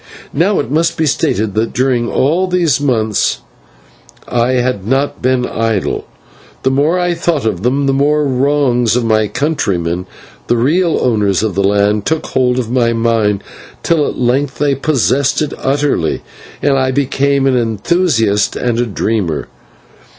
Now, it must be stated that during all these months I had not been idle. The more I thought on them, the more the wrongs of my countrymen, the real owners of the land, took hold of my mind, till at length they possessed it utterly, and I became an enthusiast and a dreamer.